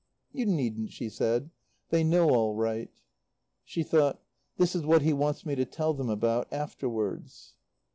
"You needn't," she said; "they know all right." She thought: "This is what he wants me to tell them about afterwards."